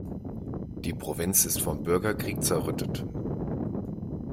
Die Provinz ist vom Bürgerkrieg zerrüttet.